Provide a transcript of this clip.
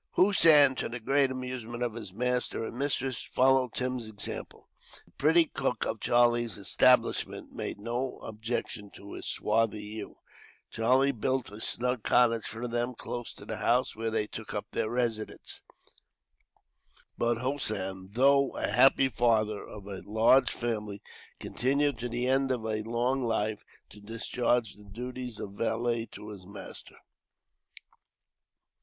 Hossein, to the great amusement of his master and mistress, followed Tim's example. The pretty cook of Charlie's establishment made no objection to his swarthy hue. Charlie built a snug cottage for them, close to the house, where they took up their residence; but Hossein, though the happy father of a large family, continued, to the end of a long life, to discharge the duties of valet to his master.